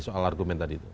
soal argumen tadi